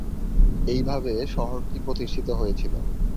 এইভাবে শহরটি প্রতিষ্ঠিত হয়েছিল।